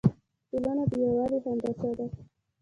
ټولنه د یووالي هندسه ده.